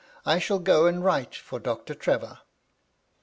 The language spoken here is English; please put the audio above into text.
I shall go and write for Doctor Trevor."